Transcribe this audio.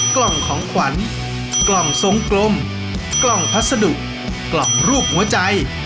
กล่องของขวัญกล่องทรงกลมกล่องพัสดุกล่องรูปหัวใจ